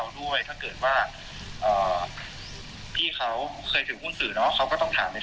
นั่งประชุมอยู่ด้วยกันไงแล้วก็ผมเป็นการประชุมครั้งแรก